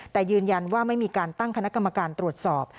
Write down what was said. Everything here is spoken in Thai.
แต่ยืนยันว่าไม่มีการตั้งคณะกรรมการตรวจสอบ